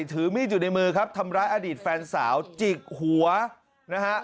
ถือมีดอยู่ในมือครับทำร้ายอดีตแฟนสาวจิกหัวนะฮะ